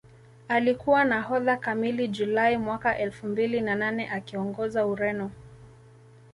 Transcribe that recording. Alikuwa nahodha kamili Julai mwaka elfu mbili na nane akiongoza Ureno